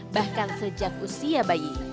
bahkan sejak usia bayi